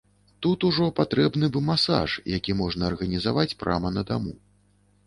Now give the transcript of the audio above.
Тут ужо патрэбны б масаж, які можна арганізаваць прама на даму.